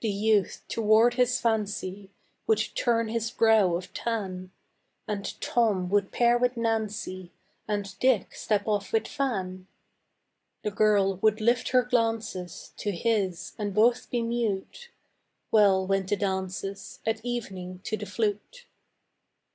The youth toward his fancy Would turn his brow of tan, And Tom would pair with Nancy And Dick step off with Fan; The girl would lift her glances To his, and both be mute: Well went the dances At evening to the flute.